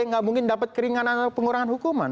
nggak mungkin dapat keringanan atau pengurangan hukuman